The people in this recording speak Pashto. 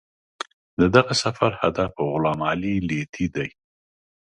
د دغه سفر هدف غلام علي لیتي دی.